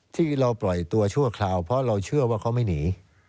ที่เราปล่อยตัวชั่วคราวเพราะเราเชื่อว่าเขาไม่หนี